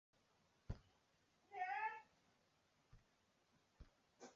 中国通商银行的第二任中方总经理。